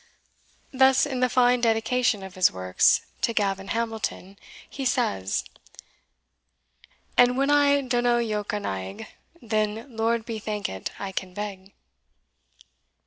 Thus in the fine dedication of his works to Gavin Hamilton, he says, And when I downa yoke a naig, Then, Lord be thankit, I can beg.